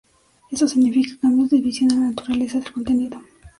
Esto significa cambios de visión y en la naturaleza del contenido.